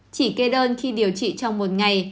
chỉ kê đơn khi điều trị trong một ngày